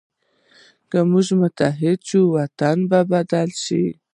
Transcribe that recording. که موږ متحد شو، دا وطن به بدل شي.